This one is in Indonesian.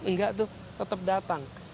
enggak tuh tetap datang